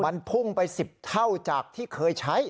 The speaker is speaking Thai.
มันพุ่งไป๑๐เท่าจากที่เคยใช้